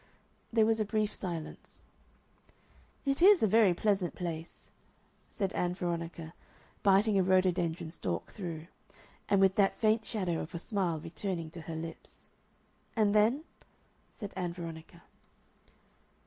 There was a brief silence. "It is a very pleasant place," said Ann Veronica, biting a rhododendron stalk through, and with that faint shadow of a smile returning to her lips.... "And then?" said Ann Veronica.